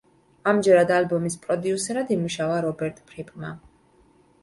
ამჯერად ალბომის პროდიუსერად იმუშავა რობერტ ფრიპმა.